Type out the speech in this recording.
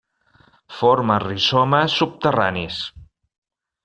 Forma rizomes subterranis.